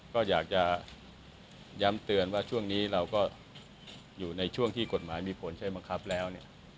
ก็อยากจะย้ำเตือนว่าช่วงนี้เราก็อยู่ในช่วงที่กฎหมายมีผลใช้บังคับแล้วเนี่ย